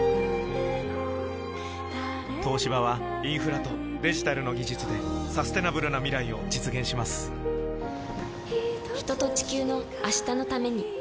東芝はインフラとデジタルの技術でサステナブルな未来を実現します人と、地球の、明日のために。